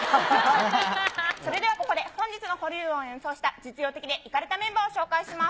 それではここで本日の保留音を演奏した実用的でいかれたメンバーを紹介します。